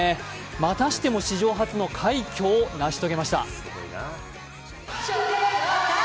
またしても史上初の快挙を成し遂げました。